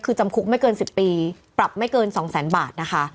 คือจำคุกไม่เกิน๑๐ปีปรับไม่เกิน๒แสนบาทนะคะ